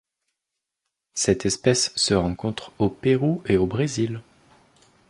Cette espèce se rencontre au Pérou et au Brésil.